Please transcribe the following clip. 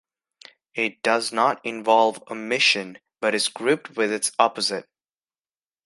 It does not involve omission, but is grouped with its opposite.